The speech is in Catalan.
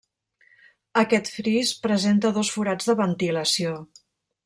Aquest fris presenta dos forats de ventilació.